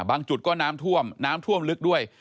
จุดก็น้ำท่วมน้ำท่วมลึกด้วย